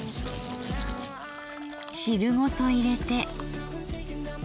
汁ごと入れて。